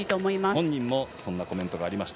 本人からもそんなコメントがありました。